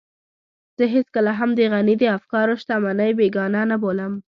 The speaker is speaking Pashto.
زه هېڅکله هم د غني د افکارو شتمنۍ بېګانه نه بولم.